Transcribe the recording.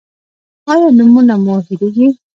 ایا نومونه مو هیریږي؟